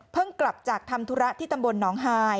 เพิ่งกลับจากทำธุระที่ตำบลน้องหาย